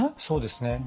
そうですね。